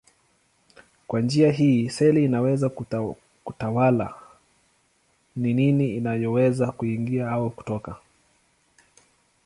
Kwa njia hii seli inaweza kutawala ni nini inayoweza kuingia au kutoka.